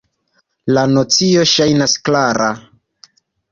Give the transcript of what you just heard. La nocio ŝajnas klara“.